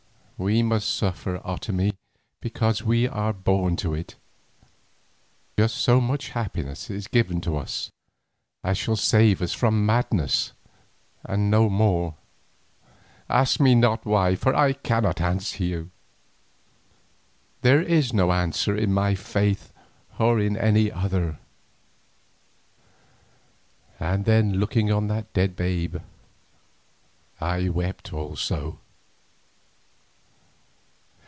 "We must suffer, Otomie, because we are born to it. Just so much happiness is given to us as shall save us from madness and no more. Ask me not why, for I cannot answer you! There is no answer in my faith or in any other." And then, looking on that dead babe, I wept also.